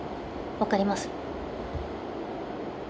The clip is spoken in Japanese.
分かります？